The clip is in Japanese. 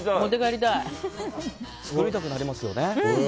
作りたくなりますよね。